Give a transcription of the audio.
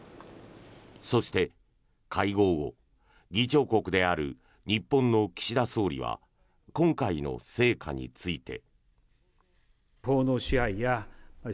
そして、会合後議長国である日本の岸田総理は今回の成果について。